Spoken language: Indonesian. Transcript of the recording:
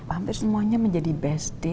hampir semuanya menjadi besti